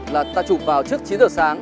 là ta chụp vào trước chín h sáng